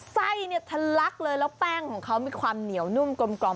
ไส้เนี่ยทะลักเลยแล้วแป้งของเขามีความเหนียวนุ่มกลม